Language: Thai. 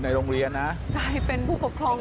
เฮ้ยเฮ้ยเฮ้ยเฮ้ยเฮ้ยเฮ้ยเฮ้ยเฮ้ย